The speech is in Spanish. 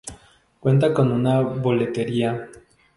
Cuenta con una boletería.